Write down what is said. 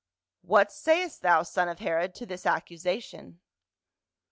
What sayest thou, son of Herod, to this accusation?"